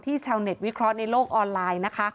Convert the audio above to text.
ชาวเน็ตวิเคราะห์ในโลกออนไลน์นะคะ